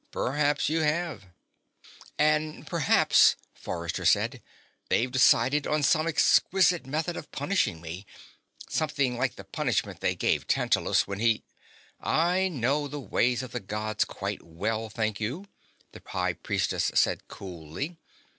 "Perhaps you have." "And perhaps," Forrester said, "they've decided on some exquisite method of punishing me. Something like the punishment they gave Tantalus when he " "I know the ways of the Gods quite well, thank you," the High Priestess said coolly.